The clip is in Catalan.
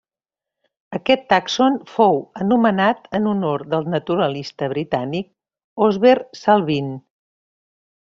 Aquest tàxon fou anomenat en honor del naturalista britànic Osbert Salvin.